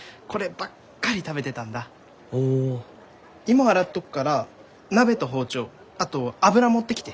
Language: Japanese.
芋洗っとくから鍋と包丁あと油持ってきて。